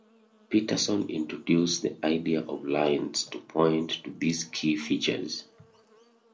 Peterson introduced the idea of lines to point to these key features.